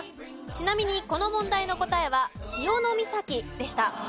ちなみにこの問題の答えは潮岬でした。